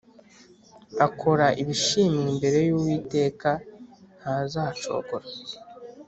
Akora ibishimwa imbere y’ Uwiteka ntazacogora